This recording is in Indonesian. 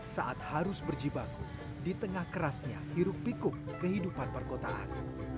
saat harus berjibaku di tengah kerasnya hiruk pikuk kehidupan perkotaan